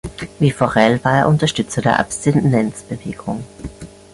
Wie Forel war er Unterstützer der Abstinenzbewegung.